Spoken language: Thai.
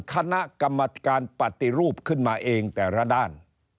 คณะกรรมการปฏิรูปขึ้นมาเองแต่ละด้าน